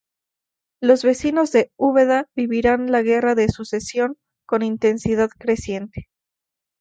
Los vecinos de Úbeda vivirán la Guerra de Sucesión con intensidad creciente.